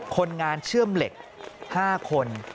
คนงานเชื่อมเหล็ก๕คน